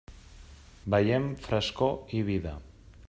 Veiem frescor i vida.